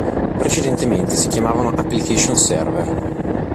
Precedentemente si chiamavano application server.